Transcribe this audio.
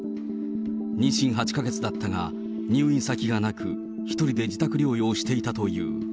妊娠８か月だったが、入院先がなく、１人で自宅療養していたという。